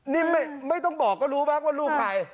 นี่ไม่ต้องบอกก็รู้บ้างว่าลูกใคร